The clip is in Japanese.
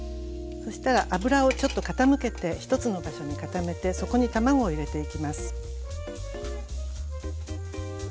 そしたら油をちょっと傾けて一つの場所に固めてそこに卵を入れていきます。